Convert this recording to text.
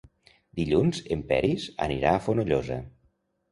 Dilluns en Peris anirà a Fonollosa.